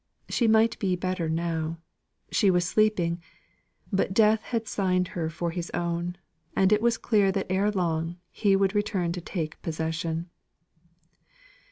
She might be better now; she was sleeping, but Death had signed her for his own, and it was clear that ere long he would return to take possession.